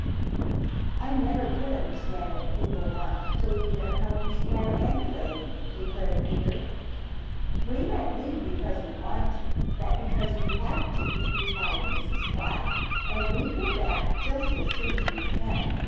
"I never could understand what people want to leave their homes for, anyway," declared Peter. "We don't leave because we want to, but because we HAVE to," replied Mrs. Quack, "and we go back just as soon as we can.